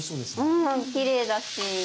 うんきれいだし。